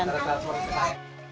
anak juga doyan